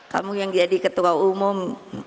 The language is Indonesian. kamu yang jadi ketua umum